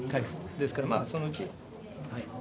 ですからまあそのうち。